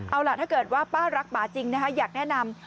เอาล่ะถ้าเกิดว่าป้ารักหมาจริงนะคะอยากแนะนำ